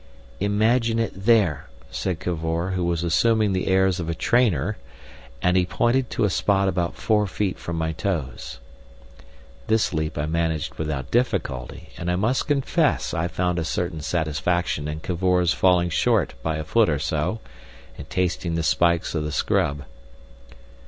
"Imagine it there!" said Cavor, who was assuming the airs of a trainer, and he pointed to a spot about four feet from my toes. This leap I managed without difficulty, and I must confess I found a certain satisfaction in Cavor's falling short by a foot or so and tasting the spikes of the scrub.